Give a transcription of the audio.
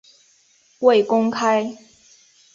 未公开